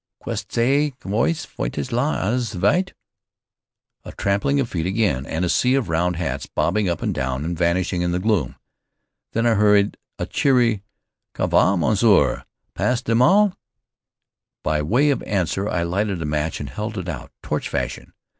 "Qu'est ce que vous faites là? Allez! Vite!" A tramping of feet again, and a sea of round hats bobbing up and down and vanishing in the gloom. Then I heard a cheery "Ça va, monsieur? Pas de mal?" By way of answer I lighted a match and held it out, torch fashion.